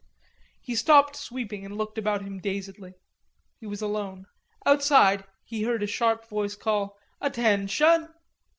He had stopped sweeping and looked about him dazedly. He was alone. Outside, he heard a sharp voice call "Atten shun!"